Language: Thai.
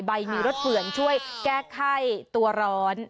ใบมีรสเผื่อนช่วยแก้ไข้ตัวร้อน